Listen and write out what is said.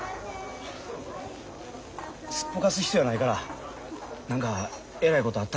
すっぽかす人やないから何かえらいことあったんちゃうかな